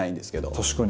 確かに。